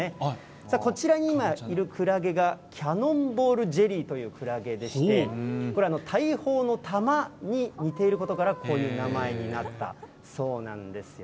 さあ、こちらに今、いるクラゲが、キャノンボールジェリーというクラゲでして、これ、大砲の弾に似ていることから、こういう名前になったそうなんです。